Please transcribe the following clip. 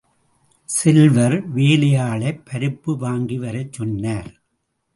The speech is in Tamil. செல்வர் வேலையாளைப் பருப்பு வாங்கி வரச் சொன்னார்.